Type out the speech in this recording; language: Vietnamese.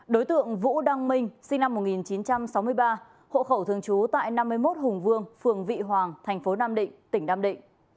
đối tượng vũ đăng minh sinh năm một nghìn chín trăm sáu mươi ba hộ khẩu thường trú tại năm mươi một hùng vương phường vị hoàng thành phố nam định tỉnh nam định